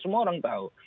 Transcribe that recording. semua orang tahu